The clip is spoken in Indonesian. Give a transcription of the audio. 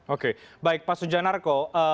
oke baik pak sujanarko